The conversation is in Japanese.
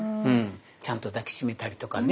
ちゃんと抱き締めたりとかね。